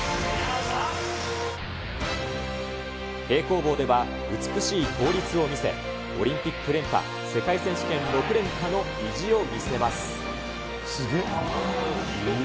平行棒では、美しい倒立を見せ、オリンピック連覇、世界選手権６連覇の意地を見せます。